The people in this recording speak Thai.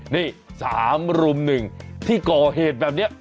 นี่๓รุ่มหนึ่งที่ก่อเหตุแบบนี้